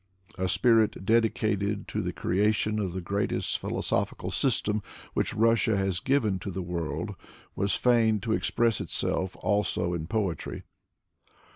A spirit dedicated to the creation of the greatest philo sophical system which Russia has given to the world was fain to express itself also in poetry.